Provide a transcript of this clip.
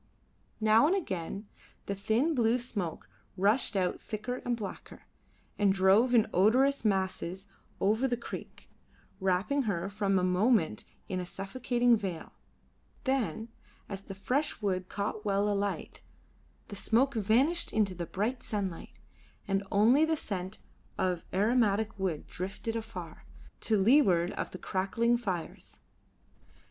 Now and again the thin blue smoke rushed out thicker and blacker, and drove in odorous masses over the creek, wrapping her for a moment in a suffocating veil; then, as the fresh wood caught well alight, the smoke vanished in the bright sunlight, and only the scent of aromatic wood drifted afar, to leeward of the crackling fires.